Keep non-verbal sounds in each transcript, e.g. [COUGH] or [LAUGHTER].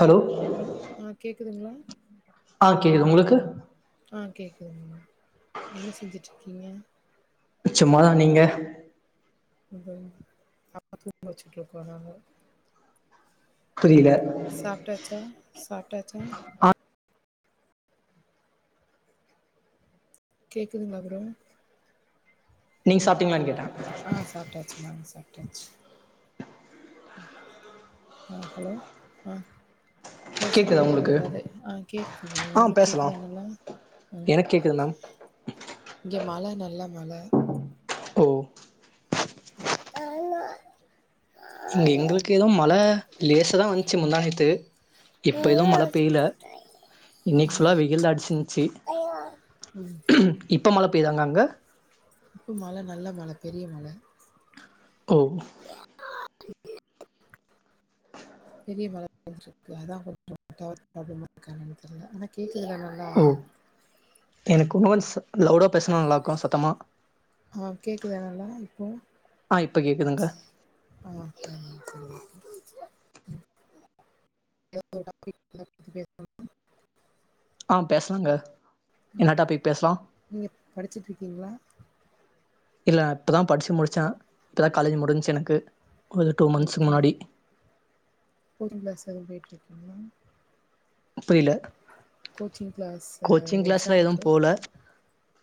Hello ஆ கேக்குது உங்களுக்கு ஆ கேக்குது நல்லா. என்ன செஞ்சிட்ரு க்கீங்க சும்மாதா, நீங்க? [INAUDIBLE] வச்சுட்ருக்கோ நாங்க புரியல சாப்டாச்சா சாப்டாச்சா ஆ கேக்குதுங்களா ப்ரோ? நீங்க சாப்ட்டீங்களான்னு கேட்டே. ஆ சாப்ட்டாச்சு நானு சாப்ட்டாச்சு. ம் ஆ ஹலோ ஆ கேக்குதா பேசலாமா ப்ரோ உங்களுக்கு எதாவது ஆ கேக்குது ப்ரோ ஆ உங்களுக்கு பேசலா கேக்குதா நல்லா? ஆ எனக்கு கேக்குது மேம் இங்க மழ நல்ல மழ ஓ ஆஹ என்ன இங்க எங்களுக்கு எதும் மழ லேசாதா வந்துச்சு முந்தா நேத்து இப்ப எதும் மழ பெய்ல இன்னக்கி ஃபுல்லா வெயில்தா அடிச்சிருந்ச்சி இ இப்ப மழ பெய்தாங்க அங்க? இப்ப மழ நல்ல மழ பெரிய மழ. ஓ [INAUDIBLE] பெரிய மழ பேஞ்சிட்ருக்கு அதா [INAUDIBLE] டவர் ப்ராப்ளமா இருக்கான்னு எனக்கு தெர்ல ஆனா கே ஓ எனக்கு உன்ன கொஞ்ச ச லவுடோ பேசுனா நல்லாருக்கு சத்தமா ஆ கேக்குதா நல்லா இப்போ? ஆ இப்ப கேக்குதுங்க ஆ ஓகே ஓகே ஓகே எதாவது ஒரு டாபிக் [INAUDIBLE] பத்தி பேசலாமா? ஆ பேசலாங்க. என்ன டாபிக் பேசலா? இல்ல இப்பதா படிச்சு முடிச்சே. இப்பதா காலேஜ் முடிஞ்ச்சு எனக்கு. ஒரு டூ மந்த்ஸ்க்கு ஓகே முன்னாடி ஓகே கோச்சிங் கிளாஸ் எதுவும் போயிட் ருக்கீங்களா? புரியல. கோச்சிங் கிளாஸ்லா எதும் போல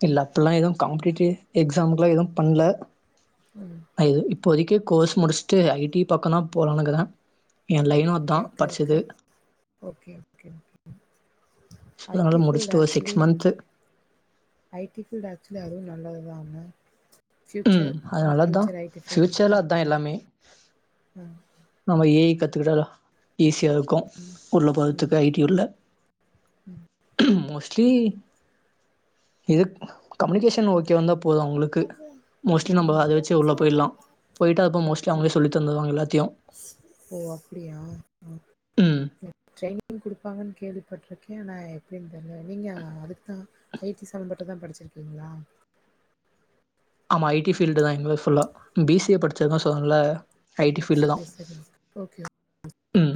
இல்ல அப்டில்லா எதும் காம்படீட் டு எக்ஸாமுக்கெலா எதும் பண்ல. அய் யோயோ இப்போதைக்கு கோர்ஸ் முடிச்சுட்டு ஐ டி பக்கோலா போலானுக்குறே எ லைனு அதா கே கே படிச்சது ஓகே ஓகே ம் ஸோ ஐ அதனால டி ஃபீல்டு முடிச்சுட்டு ஒரு six actually month I T feel actually அரு [UNINTELLIGIBLE] நல்லதானே உ அதனாலதா ஃபியூச்சர்ல அதா எல்லாமே நம்ம ஏ அய கத்துக்கிடலா ஈஸியா இருக்கு உள்ள போறத்துக்கு ஐ டி உள்ள உ உ மோஸ்ட்லி இது கம்யூனிகேஷன் ஓகே வந்த போது அவங்களுக்கு மோஸ்ட்லி நம்ம அத வச்சே உள்ளே போயிட்லா போயிவிட்டு அப்போ மோஸ்ட்லி அவங்களே சொல்லி தந்துருவாங்க எல்லாத்தையு ஓ அப்டியா ம் சே ட்ரரைனிங் குடுப்பாங்கன்னு கேள்விப்பட்டிருக்கே ஆனா எப்டின்னு தெரியாது நீங்க அதுக்குதா ஐ டி சம்பபட்டு தா படிச்சிருக்கீங்களா ஆமா ஐ டி ஃபீல்டு தா எங்கள ஃபுல்லா பி சி ஏ படிச்சிருக்க சொ அதனால சரி சரி ஓகே ம்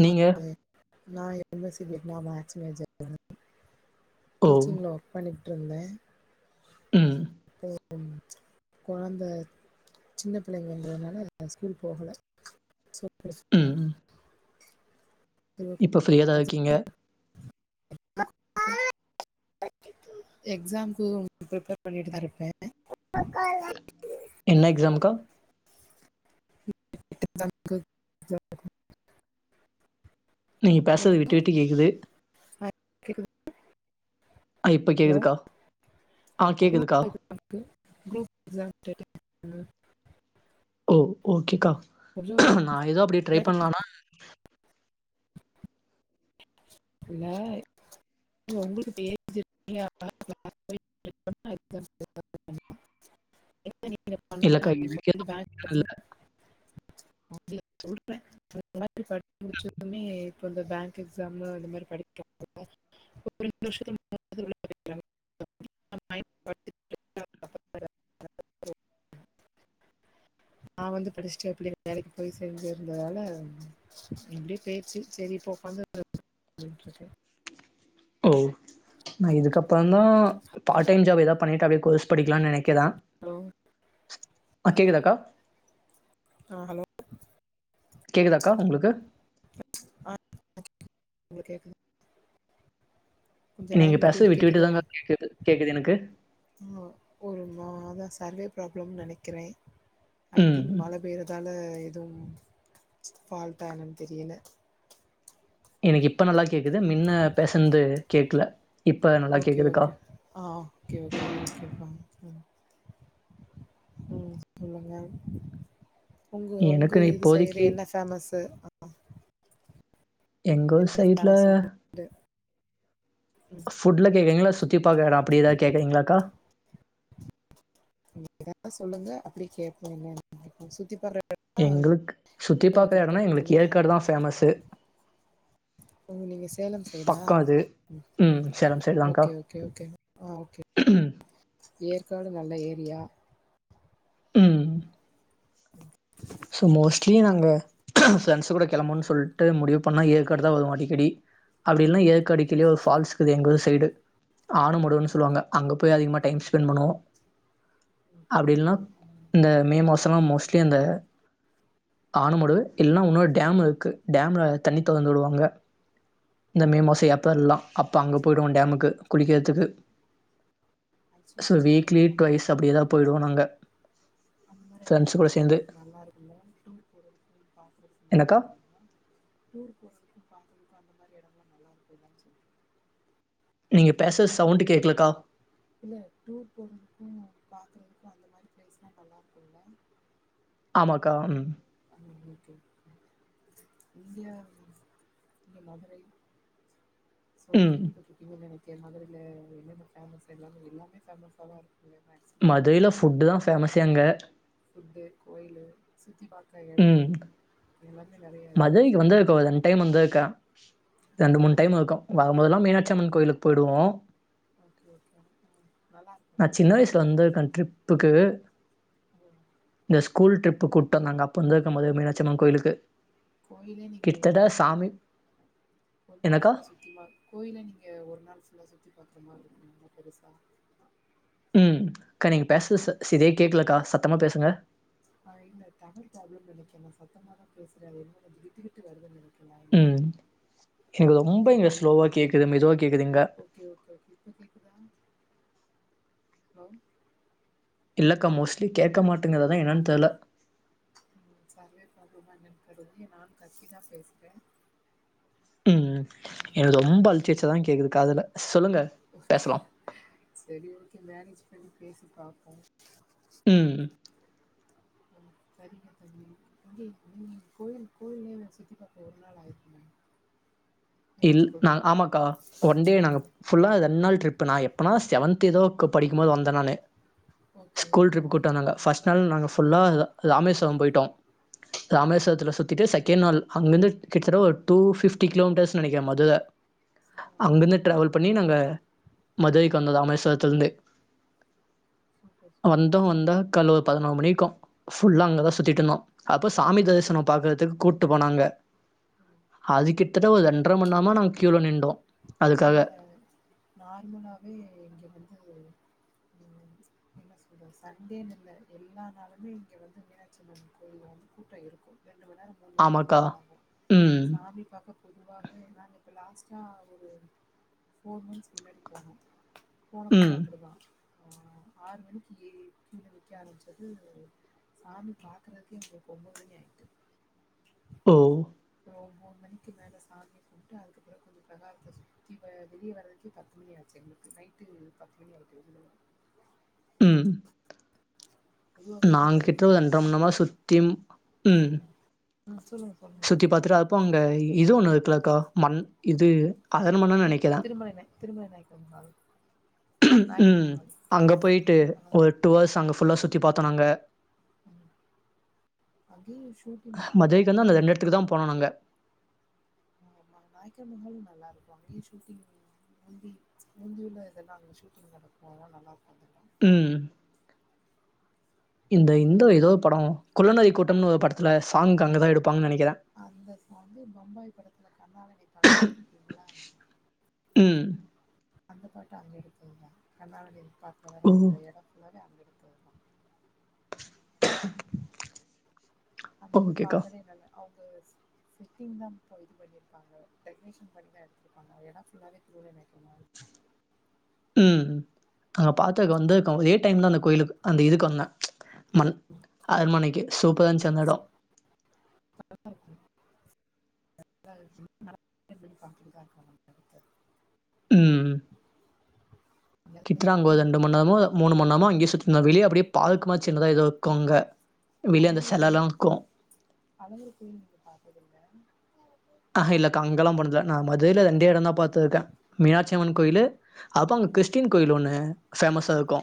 ஆ நீங்க ஏ நா எந்த சிஜெனா மேக்ஸ் மேஜர் வேன் ஓ டீச்சிங்ல ஒர்க் பண்ணி பன்னே உ அப்போ குழந்த சின்ன பிள்ளைங்கங்கனால நா ஸ்கூல் போகல ச ம் சுற்றான் ம் இப்ப ஃப்ரீயாதா இரு கிங்க எக்ஸாம்க உ பரிப்பேர் பண்ணிட்டுதா இருப்பே என்ன எக்ஸாம்கா [INAUDIBLE] நீங்க பேசறது விட்டு விட்டு கேக்குது கேக்குது [INAUDIBLE] அ இப்ப கேக்குதுக்கா ஆ கேக்குதுக்கா [INAUDIBLE] ஓ ஓகேக்கா நா ஏதோ அப்டி ட்ரை பண்லானா இ உங்களுக்கு பேசஞ [UNINTELLIGIBLE] நீண்ண இல்லக்கா சொ [UNINTELLIGIBLE] எனக்கே இல்ல அடிய சொல்றேன் [UNINTELLIGIBLE] முடிச்சதுமே [UNINTELLIGIBLE] இப்போ இந்த பேங்க் எக்ஸாம் லா த்து [UNINTELLIGIBLE] நா வந்து படிச்சுட்டு எப்டி வேலைக்கு போய் சேர்ந்து இருந்ததால எப்டியோ போயிருச்சு சரிப்போ ஒக்காந்துட்டு இருக்கே ஓ நா இதுக்கப்றோந்தா பாட் டைம் ஜாப் ஏதாவது பண்ணிட்டு அப் கோர்ஸ் படிக்லானு நெனக் கதாம் ஆ கேக்குதாக்க ஆ ஹலோ கேக்குதாக்கா ஒங்களுக்கு ஹ உங்க கேக்கு [UNINTELLIGIBLE] கொஞ்சோ நீங்க லைன் விட்டு பேசறது விட்டு கேக்குதோ தாங்க கேக்குது கேக்குது எனக்கு. ஆ ஒரு மாரிதா சர்வே ப்ராப்ளம் நெனக்குறே ஐ திங்க் ம். மழ பெய்ரதால எதுவு ஃபால்டா என்னன்னு தெரியல எனக்கு இப்ப நல்லா கேக்குது மின்ன பேசுனது கேக்கல ஓகே ஓகே ஆ ஓகே ஓகே ஓகேப்பா உம் சொல்லுங்க உங்க உங்க எனக்கு இது சைடு இப்போதைக்கு என்ன பேமஸ்சு எங்க ஊர் சைட்ல புட்ல கேக்குறிங்ளா கிப்பாக எல்லா அப்டி ஏதாவது கேக்குறீங்களாக்கா எப்ப சொல்லுங்க அப்டியே கேட்போமே சுத்தி போற்ற எங்களுக்கு சுத்தி பாக்க எடம்ன்னா எங்களுக்கு ஏற்காடு தா ஃபேமஸ்சு ஓ நீங்க சேலம் சைடா ம். Salem side okay okay okay ஆ ஓகே ம் ஏற்காடு நல்ல ஏரியா உம் சோ மோஸ்ட்லி நாங்க ஃப்ரெண்ட்ஸ்க்கூட கிளம்புன்னனு சொல்ட்டு முடிவு பண்ணா ஏற்காடு தா வருவோ அடிக்கடி அப்பிடியில்ல ஏற்க கில்யூம் ஃபால்ஸ் இருக்குது எங்க ஒரு ஊர் சைடு ஆணும் முடுவன்னு சொல்லுவாங்க அங்க போய் அதிகமா டைம் ஸ்பெண்ட் பண்ணுவோ அப்பிடில்லானா இந்த மே மாசோல்லா மோஸ்ட்லி அந்த ஆணு மடுவு இல்லானா இன்னொரு டேம் இருக்கு டேம்ல தண்ணி தொறந்துவுடுவாங்க இந்த மேமாசோ ஏப்பரலா அப்ப அங்க போய்டுவோ டேமுக்கு குளிக்கிறதுக்கு ச்சுலி ஸோ அந்த மாரி இட வீக்லி ட்வைஸ் அப்டி எதா போயிடுவோ நாங்க அந்த மாரி இட ஃப்ரெண்ட்ஸ் கூட சேந்து பாக்குறதுக்கு நல்லா இருக்கு டூர் போறதுக்கு பாக்குறதுக்கு நல்லா என்னக்கா இருக்கு டூர் போறதுக்கு பாறது அந்த மாரி எடல்லா நல்லா இருக்கும்ல்லு சொல்லே நீங்க பேச சவுண்ட் கேக்கலக்கா இல்ல டூர் போகறதுக்கு பார்கறதுக்கு அந்த மாரி பிளேஸ்லா நல்லா இருக்குல்ல ஆமாக்கா ம் இந்தியா மதுரை சோ ம் கேள்வி பட்ருக்கீங்க தானே இங்க மதுரைல எல்லாமே பேமஸ் தா எல்லாமே எல்லாமே பேமஸ்தா இருக்கு மதுரையில ஃபுட்டுதா ஃபேமஸே அங்க ஃபுட்டு கோயிலு சுத்தி பாக் க்க எடோ ம். எல்லாத்தியு மதுரைக்கு வந்தருக்கே ரெண்டைம் வந்துருக்கே ரெண்டு மூணு டைம் இருக்கு வரு போதெல்லா மீனாட்சி அம்மன் கோயிலு போயிடுவோ ஓகே ஓகே நல்ல நான் சின்ன இரு நல்ல வயசுல வந்திருக்கேன் ட்ரிப்புக்கு. இப்ப கூட்டோதாங்க அப்ப இருக்கு போது மீனாட்சியம்மன் கோயிலுக்கு கோயிலே நீங்க ஒரு கிட்டத்தட்ட நாள் ஃபுல்லா சாமி சுத்தி ஒரு நாள் என்னக்கா? ஃபுல்லா சுத்தி பாக் கோயிலே நீங்க ஒரு நாள் ஃபுல்லா சுத்தி பாத்த மாரி இருக்கு பெருசா ம் அக்கா நீங்க பேசுறது ச சரியா கேக்கலக்கா சத் த்தமா பேசுங்க ஆ இல்ல டவர் ப்ராளம்னு நெனைக்கிறே நா சத்தமாதா பேசுறது என்ன விட்டுக்கிட்டு வருதுன்ன ம். எனக்கு ரொம்ப ஓகே இங்க ஸ்லோவா கேட்குது. மெதுவா கேட்குதுங்க. ஓகே ஓகே ஓகே இப்ப கேக்குதா ஆ இல்லக்கா மோஸ்ட்லி கேட்க மாட்டேங்கிது அதா என்னன்னு தெர்ல ம் சரவே ப்ரப்பளமா என்னனு தெரியல நானு கத்திதா பேசுறே ம் எனக்கு ரொம்ப அழிச்சி வச்சதா கேக்குதுக்குது காதுல சொல்லுங்க பேசலாம். சரி ஓகே [UNINTELLIGIBLE] அ பேசி பாப்போ ம் [UNINTELLIGIBLE] கோய கோயிலய சுத்தி பாக்க ஒரு நாள் ஆயிருக்குங்க இல் ந ஆமாக்கா ஒன் டே நா ஃபுல்லா ரெண்டு நாள் ட்ரிப் எப்பனா செவன்த் த்து ஏதோக்கு படிக்கு போது வந்தே நானு ஸ்கூல் ட்ரிப் கூப்பிட்டு வந்தாங்க ஃபர்ஸ்ட் நாள் நாங்க ஃபுல்லா ராமேஸ்வரம் போயிட்டோ ராமேஸ்வரத்துல சுத்திட்டு செகண்ட் நாள் அங்கிருந்து கிட்டத்தட்ட ஒரு டூ பிப்டி கிலோமீட்டர்ஸ் நினைக்கிற மதுர அங்கிருந்து டிரவல் பண்ணி நாங்க மதுரைக்கு வந்தோ ராமோஷ்வரத்தில இருந்து வந்தோ வந்த கலோ பதினொரு மணி இருக்கு ஃபுல்லா அங்க தா சுத்திட்டு இருந்தோ அப்ப சாமி தரிசனம் பாக்குறதுக்கு கூப்புட்டு போனாங்க அது கிட்டத்தட்ட ஒரு ரெண் ஒன்ர மணி நேரமா நாங்க கியூல நின்டோ இல்ல அதுக்காக நார்மலாவே இங்க வந் அ என்ன சொல்றது சண்டேனு இல்ல எல்லா நாளுமே இங்க வந்து மீனாட்சிம்மன் கோயிலில வந்து கூட்டம் இருக்கு ரெண்டு மணிநேரம் மூணு மணிநேரத்துக்கு ஆமாக்கா மேல ஆகும் ம் சாமி பாக்க பொதுவாக நாங்க இப்ப லாஸ்ட்டா ஒரு ஃபோர் மினிட்ஸ் முன்னாடி [UNINTELLIGIBLE] போனப்பவும் ம் அப்படிதா ஆ ஆறு மணிக்கு எ கியூல நிக்க ஆரம்பிச்சது சாமி பாக்குறதுக்கே எங்களுக்கு ஒன்பது மணி ஆயிட்டு ஓ ஒரு மூணு மணிக்கு மேல சாமியை கூம்ட்டு அதுக்குப் அப்புறோ கொஞ்சம் பிரகாரத்த சுத் இப்ப வெளியே வரதுக்குகே பத்து மணி ஆச்சு எங்களுக்கு நைட்டு பத்து மணி ஆயிட்டு வெளியில வர ம் நாங் கிட்ட ஒரு ரெண்டர மணி நேரமா சுத்தி ம் ம் சொல்லுங்க சுத்தி பாத்துட்டு அதுகப்பு அங்க இது ஒண்ணு இருக்கலக்கா மண் இது அரண்மனன்னு திரு நெனைக்கிறேன். திருமலை நாய் திருமலை நாயக்கர் மஹால் ம் அங்க போயிட்டு ஒரு டூ ஹார்ஸ் அங்க ஃபுல்லா சுத்தி பாத் தொனங்க ம் அ மதுரைக்கு வந்து அந்த ரெண்டு இடத்துக்கு தா போன நாங்க ஆமா நாயக்கர் மஹாலு நல்லா இருக்கு அங்கேயே ஷூட்டிங் ஊந்தி ஊந்தியில இதெல்லா அங்க ஷூட்டிங் நடக்கு நல்லா இருக்கு அது ம் இந்த இந்தோ ஏதோ படோ குள்ளநறி கூட்டம்னு ஒரு படத்துல சாங் அங்கதா எடு அந்த சாங்கு பம்பாய் படத்துல கண்ணாலனே பாட்டு பாத்திருக்கீங்களா? ம். அந்த பாட்டு அங்க எடுத்ததுதா கண்ணாலனே பா ஓ! அதுல அந்த எடோ ஃபுல்லாவே அங்க [INAUDIBLE] அந்த இது ஓகேக்கா. பாக்கவே‌‌ நல்ல அவங்க செ செட்டிங்தான் இப்போ இது பண்ணிருப்பாங்க. டெக்கரேஷன் பண்ணிதா எடுத்திருப்பாங்க அது எடோ ஃபுல்லாவே திருமலைநாயக்கர் மஹால்தா. ம் அங்க பாத்திருக்க வந்திருக்க ஒரே இதே டைம்தா அந்த கோயிலுக்கு அந்த இதுக்கு வந்தே மண் அரண்மனைக்கி சூ ப்பரா இருந்துச்சு அந்த எடோ [INAUDIBLE] ம் [UNINTELLIGIBLE] ரெண்டு மண் நேரமோ மூணு மணி நேரமோ அங்கயே சுத்தினு இருந்தே வெளிய அப்பிடியே பார்க் மாரி சின்னதா எதோ இருக்கு அங்க. வெளிய அந்த அழகர் செலல்லா கோயில் இருக்கு அழகர் கோயில் நீங்க பாத்தது இல்ல ஆஹ இல்லக்கா அங்கல்லா போனதில்ல நா மதுரைல ரெண்டே எடந்தா பாத்துருக்கே. மீனாட்சியம்மன் கோயிலு அப்பறோ அங்க கிறிஸ்டின் கோயில் ஒண்ணு ஃபேமஸா இருக்கு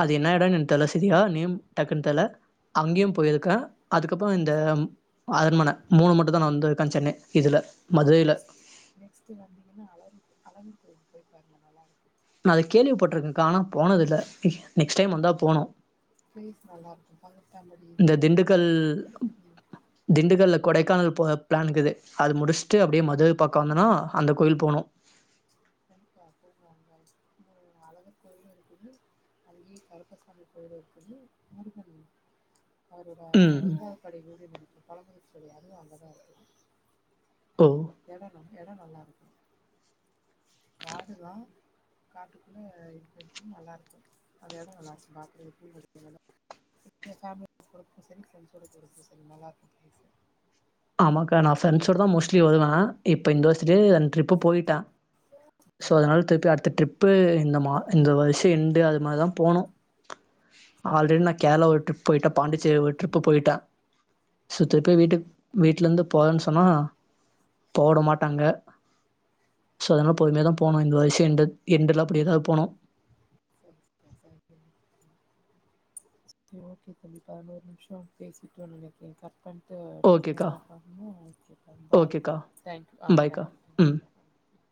அது என்ன எடோன்னு என தலசேரியா நேம் டக்குன்னு தெர்ல அங்கயு போயிருக்கே அதுக்கப்புறோ இந்த ம் அரண்மன மூணு மட்டுந்தா நா வந்து [UNINTELLIGIBLE] இதுல மதுரைல நெக்ஸ்ட் நெக்ஸ்ட்டு வந்தீங்கன்னா அழகர் கோயில் அழகர் கோயிலுக்கு போய் பாருங்க நல்லா இருக்கு நா அது கேள்விப்பட்டிருக்கேங்க்கா ஆனா போனதில்ல நெக்ஸ்ட் டைம் வந்தா போகணு ப்ளேஸ் நல்லா இருக்கு பதினெட்டாம்படி இந்த கருப்பசாமி திண்டுக்கல் இருக்கு ம் திண்டுக்கல்ல கொடைக்கானல் போக பிளான் இர்க்குது அது முடிச்சுட்டு அப்பிடியே மதுரைய பாக்க வந்தனா அந்த கோயில் போகணு கண்டிப்பா போய்ட்டு வாங்க அங்க அழகர் கோயிலு இருக்குது அங்கயே கருப்பசாமி கோயிலு இருக்குது முருகன் அவரோட ம் ஐந்தாவது படை வீடுன்னு நெனைக்கிறே பழமுதிர் சோலை அதுவு அங்கதா இருக்கு. ஓ எடோ ந் எடோ நல்லா இருக்கு. காடுதா காட்டுக்குள்ள இது [INAUDIBLE] நல்லா இருக்கு அந்த எடோ நல்லா இருக்கு பாக்கறதுக்கு [INAUDIBLE] நீங்க ஃபேமிலியோட போறதுக்கு சரி ஃப்ரண்ட்ஸோட போறதுக்கு சரி நல்லா இருக்கு ப்ளேஸு ஆமாக்கா நா ஃப்ரண்ட்ஸோடதா மோஸ்ட்லி வருவே இப்ப இந்த வருஷத்துக்கு ரெண்டு ட்ரிப்பு போய்ட்டே சோ அதனால திருப்பி அடுத்த ட்ரிப்பு இந்த மா இந்த வருஷோ எண்டு அது மாதிரி தா போனு ஆல்ரெடி நா கேரளா ஒரு ட்ரிப் போயிட்டே பாண்டிச்சேரி ஒரு ட்ரிப்பு போயிட்டே சுத்தப்பய் வீட்டு வீட்ல இருந்து போறேன்னு சொன்னா போ விட மாட்டாங்க சோ அதனால பொறுமையாக தா போனோ இந்த வருஷோ எண்டுல அப்டி ஏதாவது போனோ செரி ஓகே தம்பி பதினோரு நிமிஷோ பேசிட்டோ நெனக்குறே கர பண்ணிட்டு எடுத்துக்கங்க ஓகேக்கா நா பாரணும் ஓகேப்ப பாய் ஓகேக்கா பாய் தேங்க்யூ ஆ பாய்க்கா தேங்க் யூ ம் தேங்க்யூ